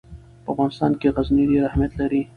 په افغانستان کې غزني ډېر اهمیت لري.